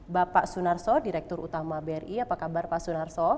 bapak sunarso direktur utama bri apa kabar pak sunarso